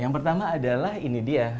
yang pertama adalah ini dia